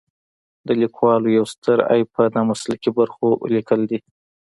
د لیکوالو یو ستر عیب په نامسلکي برخو لیکل دي.